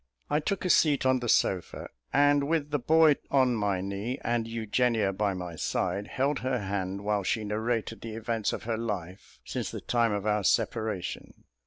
I took a seat on the sofa, and with the boy on my knee, and Eugenia by my side, held her hand, while she narrated the events of her life since the time of our separation.